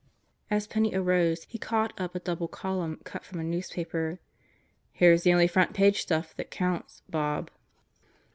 As Penney arose he caught up a double column cut from a newspaper. "Here's the only front page stuff that counts, Bob."